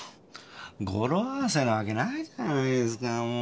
語呂合わせなわけないじゃないですかもう。